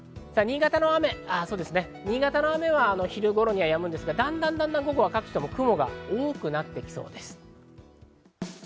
新潟の雨、昼頃にはやみますが、だんだん午後は各地とも雲が多くなっていきそうです。